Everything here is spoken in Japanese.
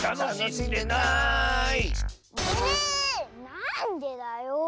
なんでだよ。